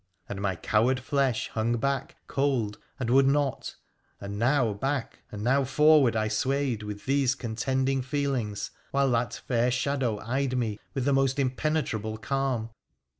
' and my coward flesh hung back cold and would not, and now back and now forward I swayed with these contending feelings, while that fair shadow eyed me with the most impenetrable calm.